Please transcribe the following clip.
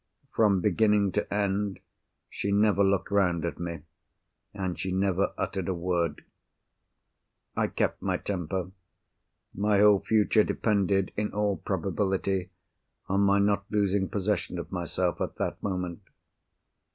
From beginning to end, she never looked round at me, and she never uttered a word. I kept my temper. My whole future depended, in all probability, on my not losing possession of myself at that moment.